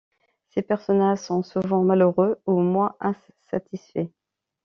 Ses personnages sont souvent malheureux ou au moins insatisfaits.